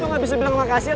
ig dia sebelah mana ya sus